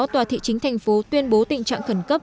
tòa thị chính thành phố tuyên bố tình trạng khẩn cấp